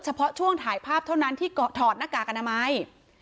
เฉพาะช่วงถ่ายภาพเท่านั้นที่ถอดหน้ากากอนามัย